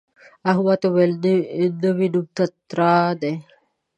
احمد وویل نوی نوم تتارا دی.